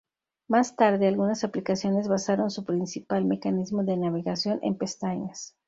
Más tarde, algunas aplicaciones basaron su principal mecanismo de navegación en pestañas.